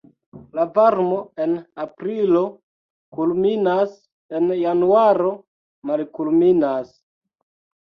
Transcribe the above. La varmo en aprilo kulminas, en januaro malkulminas.